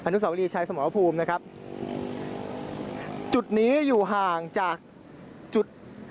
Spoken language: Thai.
นุสาวรีชัยสมรภูมินะครับจุดนี้อยู่ห่างจากจุด